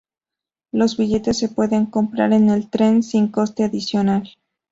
Los billetes se pueden comprar en el tren sin coste adicional.